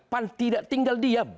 pan tidak tinggal diam